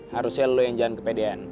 harusnya lu yang jalan ke pdn